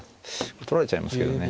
取られちゃいますけどね。